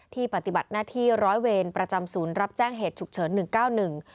ที่ปฏิบัติหน้าที่ร้อยเวรประจำศูนย์รับแจ้งเหตุฉุกเฉิน๑๙๑